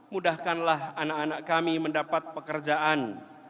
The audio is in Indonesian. mudahkanlah anak anak kami mendapat pekerjaan